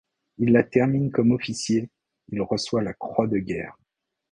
Il la termine comme officier, il reçoit la croix de guerre.